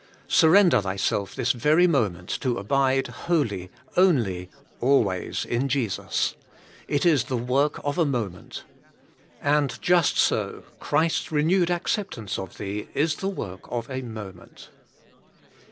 Surrender thyself this very moment to abide wholly, only, always in Jesus. It is the work of a moment. And just so, Christ's renewed acceptance of thee is the work of a moment.